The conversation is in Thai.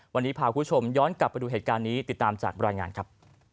วันนี้พาคุณผู้ชมย้อนกลับไปดูเหตุการณ์นี้ติดตามจากรายงานครับ